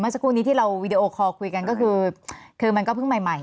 เมื่อสักครู่นี้ที่เราวิดีโอคอลคุยกันบางก็คือคือมันเข้าก็พึ่งใหม่